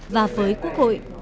và với quốc hội